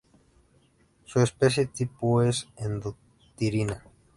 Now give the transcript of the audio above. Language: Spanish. Su especie tipo es "Endothyrina?